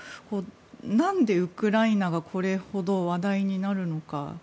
何で、ウクライナがこれほど話題になるのか。